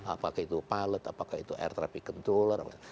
apakah itu pilot apakah itu air traffic controller